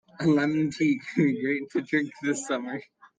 A lemon tea could be great to drink this summer.